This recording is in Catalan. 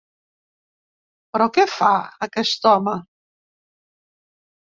Però què fa, aquest home?